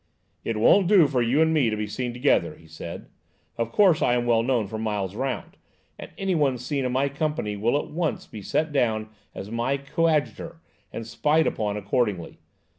"It won't do for you and me to be seen together," he said; "of course I am known for miles round, and anyone seen in my company will be at once set down as my coadjutor, and spied upon accordingly.